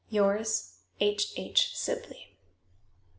"Yours, "H. H. SIBLEY."